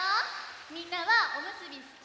みんなはおむすびすき？